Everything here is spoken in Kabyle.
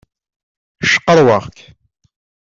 Cqerwaɣ-k.